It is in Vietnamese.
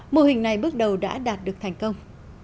mô hình này bước đầu đã đạt được thành công